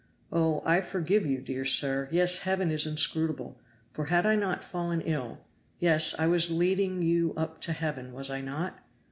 Oh! I forgive you, dear sir! Yes, Heaven is inscrutable; for had I not fallen ill yes, I was leading you up to Heaven, was I not?